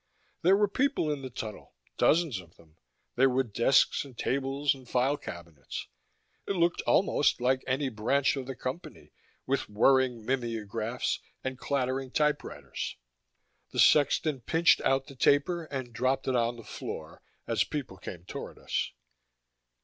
There were people in the tunnel, dozens of them. There were desks and tables and file cabinets; it looked almost like any branch of the Company, with whirring mimeographs and clattering typewriters. The sexton pinched out the taper and dropped it on the floor, as people came toward us.